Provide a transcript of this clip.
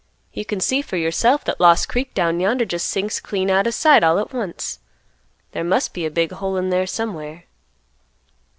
You can see for yourself that Lost Creek down yonder just sinks clean out of sight all at once; there must be a big hole in there somewhere."